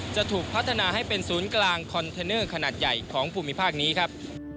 จะถูกพัฒนาให้เป็นศูนย์กลางคอนเทนเนอร์ขนาดใหญ่ของภูมิภาคนี้ครับ